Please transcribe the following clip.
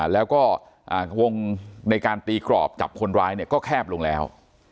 แล้วก็วงในการตีกรอบจับคนร้ายก็แคบลงแล้ว